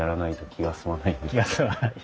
気が済まない。